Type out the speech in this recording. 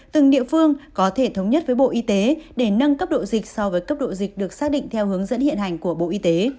từng địa phương có thể thống nhất với bộ y tế để nâng cấp độ dịch so với cấp độ dịch được xác định theo hướng dẫn hiện hành của bộ y tế